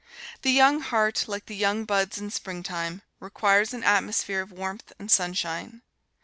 The young heart, like the young buds in spring time, requires an atmosphere of warmth and sunshine.